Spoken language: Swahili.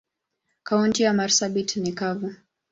Kaunti ya marsabit ni kavu.